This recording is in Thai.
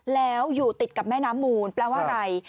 แล้วอยู่ติดกับแม่น้ำมูลแปลว่าอะไร